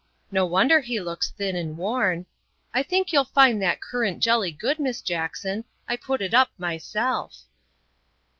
No wonder he looks thin and worn. I think you'll find that currant jelly good, Miss Jackson, I put it up myself.